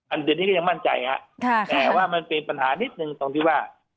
อันนี้ก็ยังมั่นใจฮะแต่ว่ามันเป็นปัญหานิดนึงตรงที่ว่า